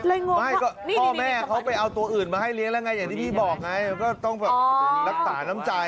ไม่ก็พ่อแม่เขาไปเอาตัวอื่นมาให้เลี้ยงแล้วไงอย่างที่พี่บอกไงก็ต้องแบบรักษาน้ำใจ